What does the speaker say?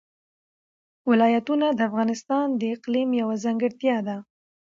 ولایتونه د افغانستان د اقلیم یوه ځانګړتیا ده.